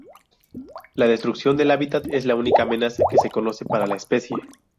La destrucción del hábitat es la única amenaza que se conoce para la especie.